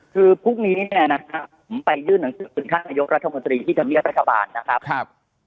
คือพรุ่งนี้เนี่ยนะครับผมไปยื่นหนังสือถึงท่านนายกรัฐมนตรีที่ธรรมเนียบรัฐบาลนะครับ